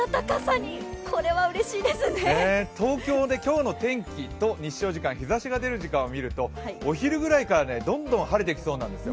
東京で今日の天気で日照時間、日ざしが出る時間を見るとお昼ぐらいからどんどん晴れてきそうなんですよ。